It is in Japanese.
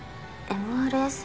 ＭＲＳ？